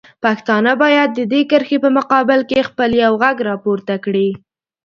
پښتانه باید د دې کرښې په مقابل کې خپل یو غږ راپورته کړي.